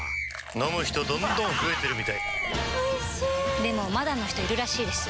飲む人どんどん増えてるみたいおいしでもまだの人いるらしいですよ